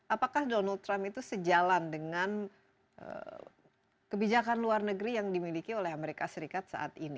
apakah donald trump itu sejalan dengan kebijakan luar negeri yang dimiliki oleh amerika serikat saat ini